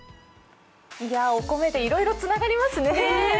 お米でいろいろつながりますね。